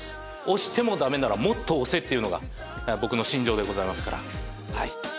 押してもダメならもっと押せっていうのが僕の信条でございますから。